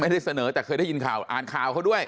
ไม่ได้เสนอแต่เคยได้ยินข่าวอ่านข่าวเขาด้วย